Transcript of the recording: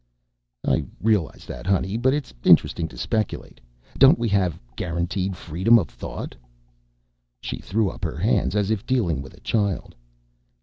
"I realise that, honey, but it's interesting to speculate. Don't we have guaranteed freedom of thought?" She threw up her hands as if dealing with a child.